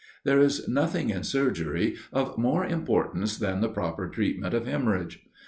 There is nothing in surgery of more importance than the proper treatment of hemorrhage.